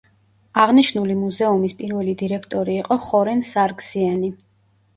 აღნიშნული მუზეუმის პირველი დირექტორი იყო ხორენ სარგსიანი.